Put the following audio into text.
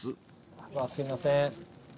あっすいません。